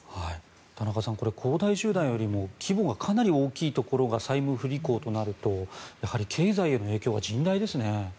田中さん恒大集団よりも規模がかなり大きいところが債務不履行となるとやはり経済への影響は甚大ですね。